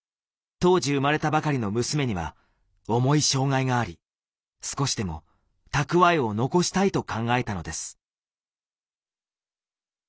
当時生まれたばかりの娘には重い障がいがあり少しでも蓄えを残したいと考えたのです。